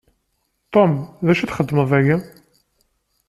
Tom, d acu txedmeḍ dagi?